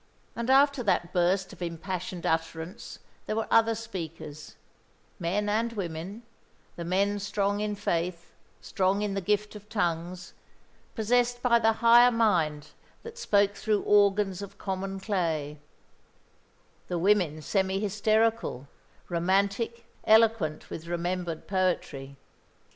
And after that burst of impassioned utterance there were other speakers, men and women, the men strong in faith, strong in the gift of tongues, possessed by the higher mind that spoke through organs of common clay; the women semi hysterical, romantic, eloquent with remembered poetry.